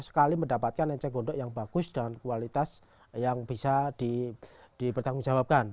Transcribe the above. sekali mendapatkan ecek gondok yang bagus dan kualitas yang bisa dipertanggungjawabkan